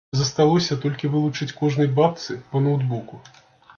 Засталося толькі вылучыць кожнай бабцы па ноўтбуку.